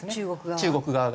中国側が。